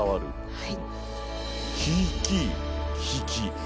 はい。